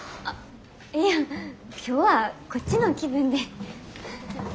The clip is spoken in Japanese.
いや今日はこっちの気分で。